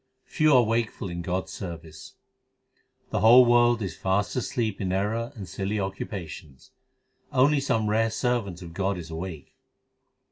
Few are wakeful in God s service : The whole world is fast asleep in error and silly occupa tions ; Only some rare servant of God is awake.